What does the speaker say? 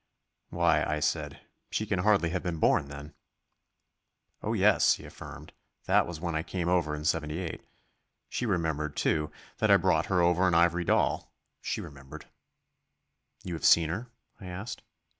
"Why," I said, "she can hardly have been born then." "Oh, yes," he affirmed, "that was when I came over in '78. She remembered, too, that I brought her over an ivory doll she remembered." "You have seen her?" I asked.